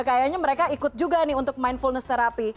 kayaknya mereka ikut juga nih untuk mindfulness terapi